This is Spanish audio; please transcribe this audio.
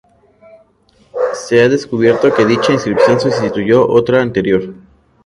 Se ha descubierto que dicha inscripción sustituyó otra anterior.